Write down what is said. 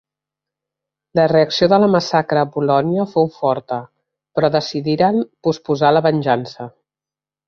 La reacció de la massacre a Polònia fou forta, però decidiren posposar la venjança.